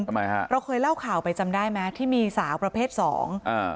ทำไมฮะเราเคยเล่าข่าวไปจำได้ไหมที่มีสาวประเภทสองอ่า